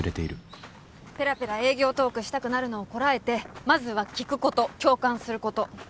ぺらぺら営業トークしたくなるのをこらえてまずは聞くこと共感すること。